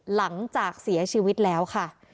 หลังจากเสียชีวิตแล้วค่ะ